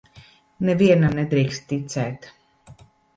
Nevienam nedrīkst ticēt.